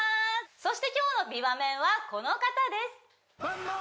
そして今日の美バメンはこの方です